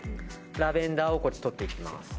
ラベンダーをとっていきます。